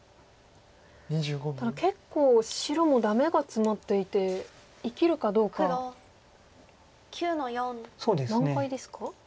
ただ結構白もダメがツマっていて生きるかどうか難解ですか？